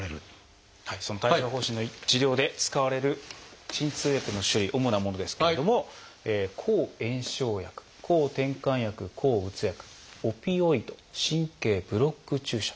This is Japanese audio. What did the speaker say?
その帯状疱疹の治療で使われる鎮痛薬の種類主なものですけれども抗炎症薬抗てんかん薬抗うつ薬オピオイド神経ブロック注射。